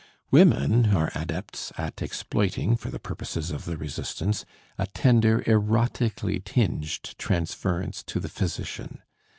Women are adepts at exploiting, for the purposes of the resistance, a tender, erotically tinged transference to the physician.